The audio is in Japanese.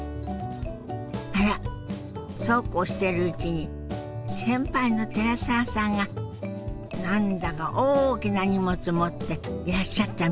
あらそうこうしているうちに先輩の寺澤さんが何だか大きな荷物持っていらっしゃったみたい。